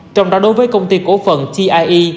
trong đó đối với công ty cổ phần tie